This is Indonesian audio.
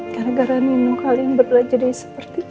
gara gara nina kalian berdua jadi seperti ini